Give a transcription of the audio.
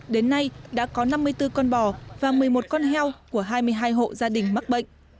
đến nay đã có năm mươi bốn con bò và một mươi một con heo của hai mươi hai hộ gia đình mắc bệnh